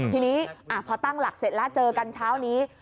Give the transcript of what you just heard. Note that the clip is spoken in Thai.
ทีนี้พอตั้งหลักเสร็จแล้วเจอกันเช้านี้